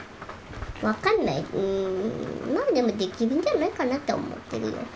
分かんないうんまあでもできるんじゃないかなって思ってるよ